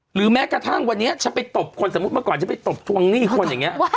หรือแม้กระทั่งวันนี้ฉันไปตบคนสมมุติเมื่อก่อนฉันไปตบทวงหนี้คนอย่างนี้